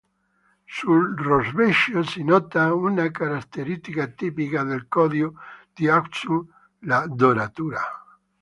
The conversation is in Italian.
Sul rovescio si nota una caratteristica tipica del conio di Axum, la doratura.